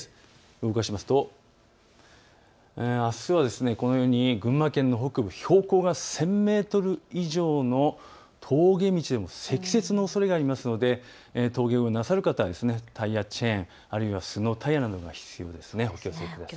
動かしますとあすはこのように群馬県の北部標高が１０００メートル以上の峠道でも積雪のおそれがありますので峠越えをなさる方、タイヤチェーン、スノータイヤなどが必要ですね。